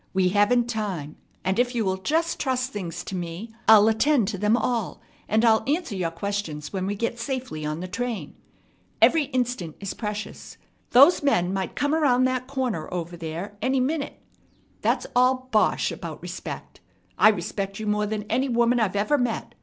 We haven't time. If you will just trust things to me, I'll attend to them all, and I'll answer your questions when we get safely on the train. Every instant is precious. Those men might come around that corner ever there any minute. That's all bosh about respect. I respect you more than any woman I ever met.